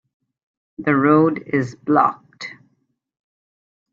The road is blocked.